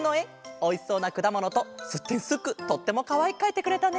おいしそうなくだものとすってんすっくとってもかわいくかいてくれたね。